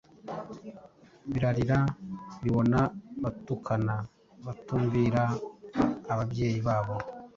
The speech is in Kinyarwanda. birarira, bibona, batukana, batumvira ababyeyi babo,